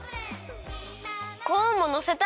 コーンものせたい！